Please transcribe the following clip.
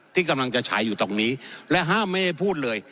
ที่กำลังจะฉายอยู่ตรงนี้และห้ามไม่ได้พูดเลย